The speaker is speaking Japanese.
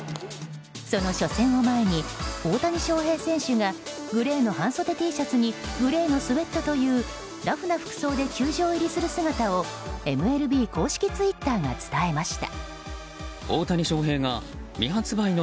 その初戦を前に、大谷翔平選手がグレーの半袖Ｔシャツにグレーのスウェットというラフな服装で球場入りする姿をＭＬＢ公式ツイッターが伝えました。